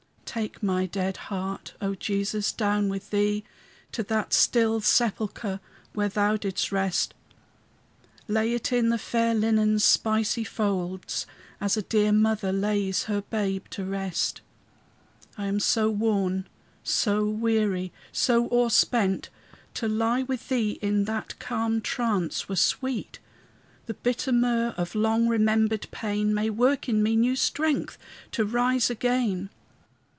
Take my dead heart, O Jesus, down with thee To that still sepulchre where thou didst rest; Lay it in the fair linen's spicy folds, As a dear mother lays her babe to rest. I am so worn, so weary, so o'erspent, To lie with thee in that calm trance were sweet; The bitter myrrh of long remembered pain May work in me new strength to rise again.